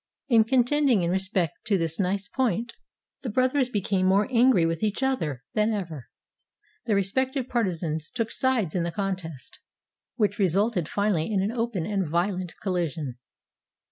In contending in respect to this nice point the brothers became more angry with each other than ever. Their respective partisans took sides in the contest, which resulted finally in an open and violent collision.